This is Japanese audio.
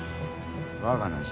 我が名じゃ。